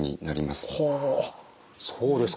そうですか。